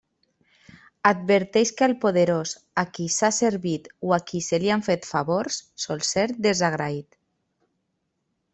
Adverteix que al poderós a qui s'ha servit o a qui se li han fet favors sol ser desagraït.